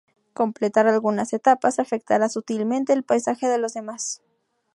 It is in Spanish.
Completar algunas etapas afectará sutilmente el paisaje de los demás.